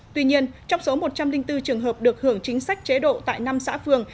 tuy nhiên trong số một trăm linh bốn trường hợp được hưởng chính sách chế độ tại năm xã phường